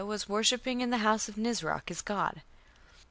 was worshipping in the house of Nisroch, his god".